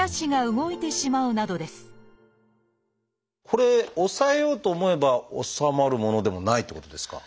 これ抑えようと思えば治まるものでもないってことですか？